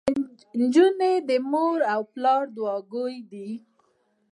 انجونو د مور او پلار دوعاګويه دي.